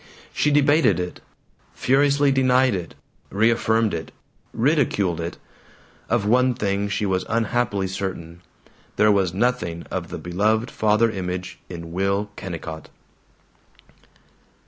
She debated it, furiously denied it, reaffirmed it, ridiculed it. Of one thing she was unhappily certain: there was nothing of the beloved father image in Will Kennicott.